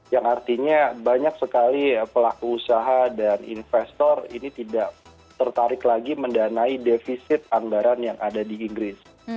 yang artinya banyak sekali pelaku usaha dan investor ini tidak tertarik lagi mendanai defisit anggaran yang ada di inggris